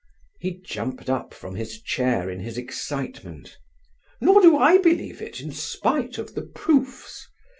He jumped up from his chair in his excitement. "Nor do I believe it, in spite of the proofs.